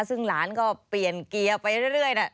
ซึ่งหลานก็เปลี่ยนเกียร์ไปเรื่อยนะ